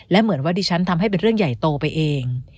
และเหมือนว่าดิฉันทำให้เป็นเรื่องใหญ่โตไปเอง